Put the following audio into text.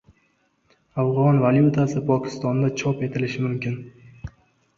Afg‘on valyutasi Pokistonda chop etilishi mumkin